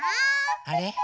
あれ？